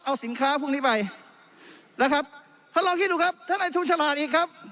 เอาสินค้าพวกนี้ไปนะครับท่านลองคิดดูครับท่านในทุนฉลาดอีกครับ